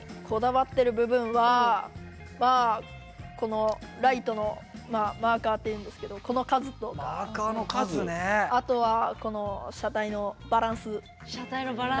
こだわってる部分はライトのマーカーっていうんですけどこの数とあとは車体のバランス。